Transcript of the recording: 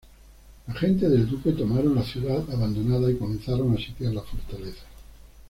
Las gentes del Duque tomaron la ciudad abandonada y comenzaron a sitiar la fortaleza.